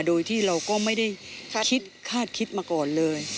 โดยที่เราก็ไม่ได้คิดคาดคิดมาก่อนเลย